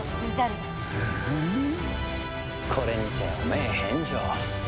これにて汚名返上。